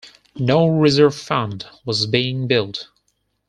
No "Reserve Fund" was being built.